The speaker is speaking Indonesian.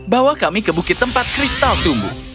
bawa kami ke bukit tempat kristal tumbuh